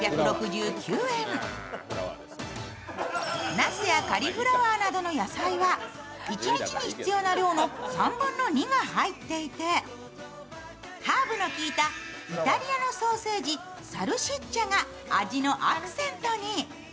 なすやカリフラワーなどの野菜は一日に必要な量の３分の２が入っていて、ハーブの効いたイタリアのソーセージ、サルシッチャが味のアクセントに。